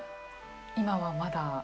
今はまだ。